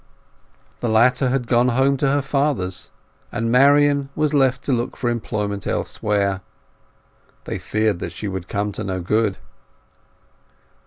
The later had gone home to her father's, and Marian had left to look for employment elsewhere. They feared she would come to no good.